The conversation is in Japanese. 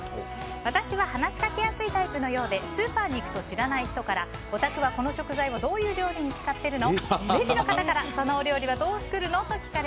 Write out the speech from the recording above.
私は話しかけやすいタイプのようでスーパーに行くと知らない人からおたくはこの食材をどういう料理に使っているの？